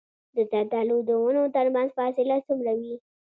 د زردالو د ونو ترمنځ فاصله څومره وي؟